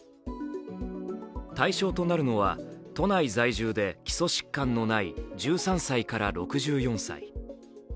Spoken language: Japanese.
対象となるのは都内在住で基礎疾患のない１３歳から６４歳。